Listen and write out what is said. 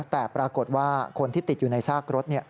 แต่ปรากฏว่าคนที่ติดอยู่ในซากรถ